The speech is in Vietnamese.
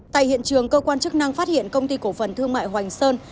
tại hiện trường cơ quan chức năng phát hiện công ty cổ phần thương mại hoành sơn